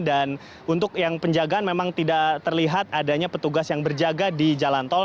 dan untuk yang penjagaan memang tidak terlihat adanya petugas yang berjaga di jalan tol